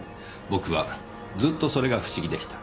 僕はずっとそれが不思議でした。